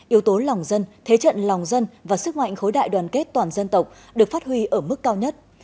yếu tố lòng dân thế trận lòng dân và sức mạnh khối đại đoàn kết toàn dân tộc được phát huy ở mức cao nhất